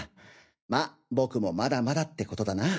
まあ僕もまだまだってことだな。